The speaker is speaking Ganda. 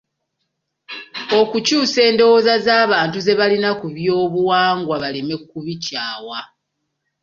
Okukyusa endowooza z’abant ze balina ku by’obuwangwa; baleme kubikyawa.